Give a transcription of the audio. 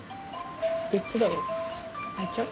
どっちだろう？